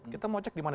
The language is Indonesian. kita mau cek dimana